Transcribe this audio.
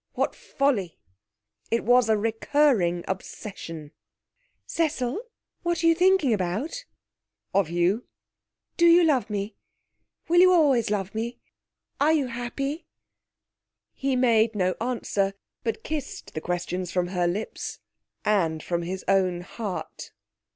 What folly! It was a recurring obsession. 'Cecil, what are you thinking about?' 'Of you.' 'Do you love me? Will you always love me? Are you happy?' He made no answer, but kissed the questions from her lips, and from his own heart.